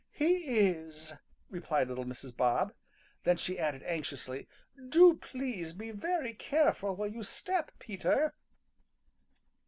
"He is," replied little Mrs. Bob. Then she added anxiously, "Do please be very careful where you step, Peter."